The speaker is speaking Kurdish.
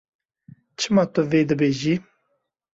Çima tu vê dibêjî?